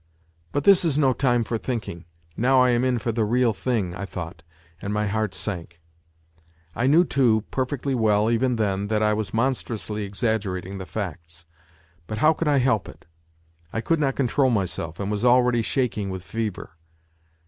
" But this is no time for thinking : now I am in for the real thing," I thought, and my heart sank. I knew, too, perfectly well even then, that I was monstrously exaggerating the facts. But how could I help it ? I could not control myself and was already shaking with fever.